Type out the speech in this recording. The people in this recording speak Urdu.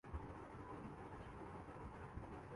پولٹری مصنوعات کی قیمتوں میں کمی